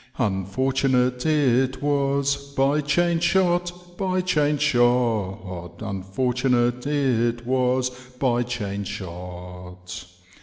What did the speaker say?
" Unfortunate it was. By chain shot, by chain shot ; Unfortunate it was. By chain shot.